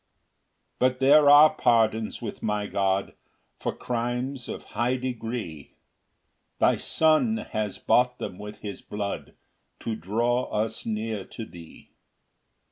3 But there are pardons with my God For crimes of high degree; Thy Son has bought them with his blood To draw us near to thee.